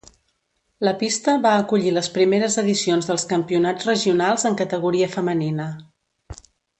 La pista va acollir les primeres edicions dels campionats regionals en categoria femenina.